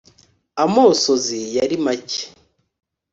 amosozi yari make,